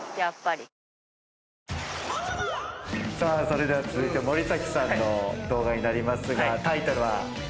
それでは続いて森崎さんの動画になりますがタイトルは？